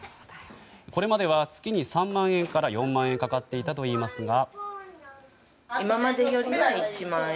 これまでは月に３万円から４万円かかっていたといいますが。